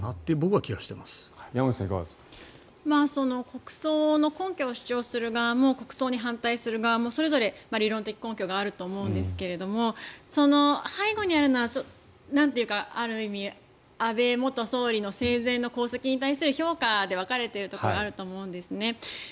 国葬の根拠を主張する側も国葬を反対する側もそれぞれ理論的根拠があると思うんですが背後にあるのはある意味安倍元総理の生前の功績に対する評価で分かれているところがあると思うんですね。